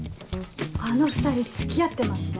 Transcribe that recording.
あの２人付き合ってますね。